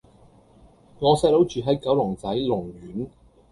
我細佬住喺九龍仔龍苑